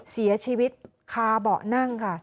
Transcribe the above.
เสียชีวิตคาเบาะนั่งค่ะ